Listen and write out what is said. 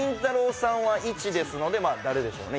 さんは１ですのでまあ誰でしょうね